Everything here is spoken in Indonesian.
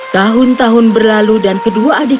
tahun tahun berlalu dan kedua adiknya